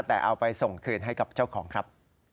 แต่เอาไปส่งคืนให้กับเจ้าของครับ